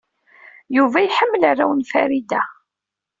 Yuba yeḥmmel arraw n Farida.